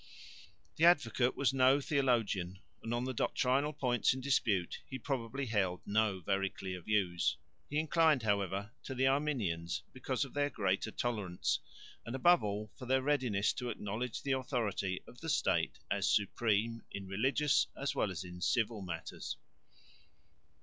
The Advocate was no theologian, and on the doctrinal points in dispute he probably held no very clear views. He inclined, however, to the Arminians because of their greater tolerance, and above all for their readiness to acknowledge the authority of the State as supreme, in religious as well as in civil matters.